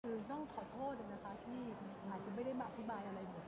คือต้องขอโทษนะคะที่อาจจะไม่ได้มาอธิบายอะไรหมด